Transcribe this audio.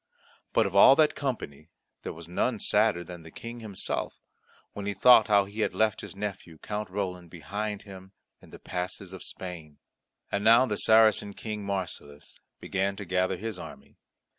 But of all that company there was none sadder than the King himself, when he thought how he had left his nephew Count Roland behind him in the passes of Spain. And now the Saracen King Marsilas began to gather his army.